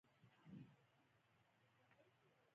هر څومره چې ډېر وژلی شې هغومره ښه انقلابي یې.